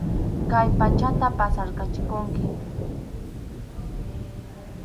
Kay pachata pasarqachikunki.